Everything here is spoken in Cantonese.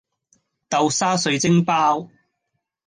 豆沙水晶包